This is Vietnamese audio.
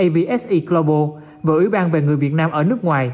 và ủy ban về người việt nam ở nước ngoài